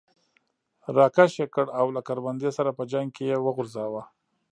را کش یې کړ او له کروندې سره په څنګ کې یې وغورځاوه.